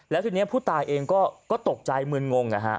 แล้วทีนี้ผู้ตายเองก็ตกใจมืนงง